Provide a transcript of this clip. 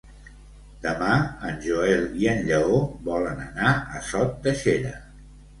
Demà en Joel i en Lleó volen anar a Sot de Xera.